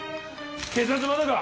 警察はまだか！？